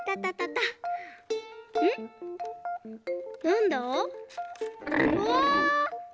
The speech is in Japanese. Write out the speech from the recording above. うわ！